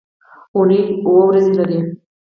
اونۍ اووه ورځې لري.